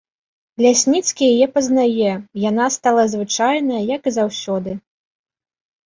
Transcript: Лясніцкі яе пазнае, яна стала звычайная, як і заўсёды.